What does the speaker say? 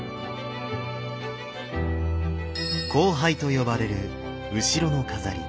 光背と呼ばれる後ろの飾り。